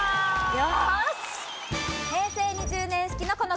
よし！